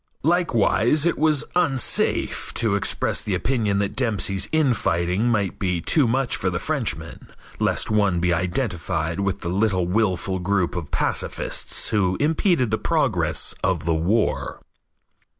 Likewise it was unsafe to express the opinion that Dempsey's infighting might be too much for the Frenchman, lest one be identified with the little willful group of pacifists who impeded the progress of the war.